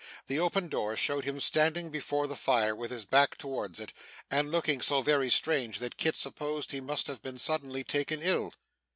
The open door showed him standing before the fire with his back towards it, and looking so very strange that Kit supposed he must have been suddenly taken ill.